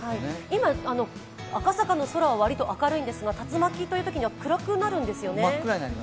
今、赤坂の空は割と明るいんですが、竜巻のときは暗くなるんですよね。